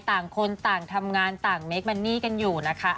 ต่างคนต่างทำงานต่างเมคมันนี่กันอยู่นะคะ